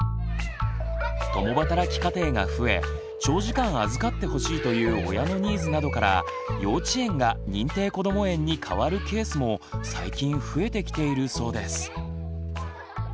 共働き家庭が増え長時間預かってほしいという親のニーズなどから幼稚園が認定こども園に変わるケースも最近増えてきているそうです。